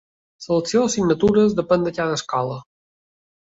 L'elecció d'assignatures depèn de cada escola.